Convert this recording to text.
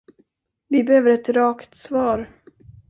Vi behöver ett rakt svar.